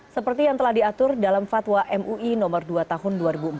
seperti yang telah diatur dalam fatwa mui no dua tahun dua ribu empat